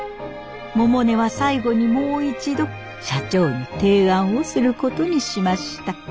百音は最後にもう一度社長に提案をすることにしました。